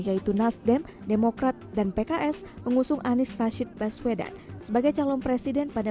yaitu nasdem demokrat dan pks mengusung anies rashid baswedan sebagai calon presiden pada